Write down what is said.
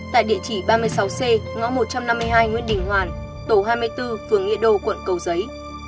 tại địa chỉ ba mươi sáu c ngõ một trăm năm mươi hai nguyễn đình hoàn tổ hai mươi bốn phường nghĩa đô quận cầu giấy